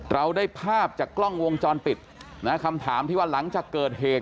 เราได้ภาพจากกล้องวงจรปิดนะคำถามที่ว่าหลังจากเกิดเหตุ